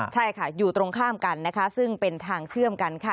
ใช่ค่ะอยู่ตรงข้ามกันนะคะซึ่งเป็นทางเชื่อมกันค่ะ